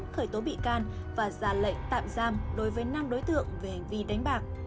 khởi tố bị can và ra lệnh tạm giam đối với năm đối tượng về hành vi đánh bạc